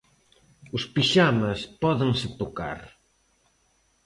Os pixamas pódense tocar.